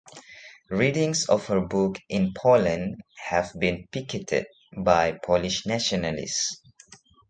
Readings of her book in Poland have been picketed by Polish nationalists.